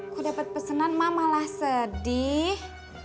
aku dapet pesenan mak malah sedih